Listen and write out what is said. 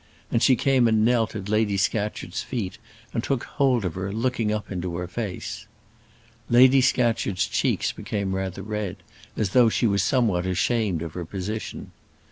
and she came and knelt at Lady Scatcherd's feet, and took hold of her, looking up into her face. Lady Scatcherd's cheeks became rather red, as though she was somewhat ashamed of her position.